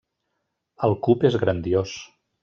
El cup és grandiós.